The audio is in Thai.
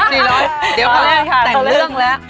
จีร้อนเดี๋ยวเขาจะแต่งเรื่องแล้ว